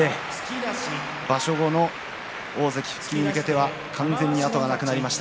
場所後の大関復帰に向けて完全に後がなくなりました。